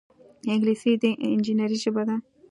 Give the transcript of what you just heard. انګلیسي د انجینرۍ ژبه ده